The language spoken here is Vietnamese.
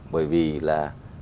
bởi vì là